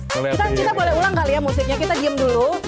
kita boleh ulang kali ya musiknya kita diem dulu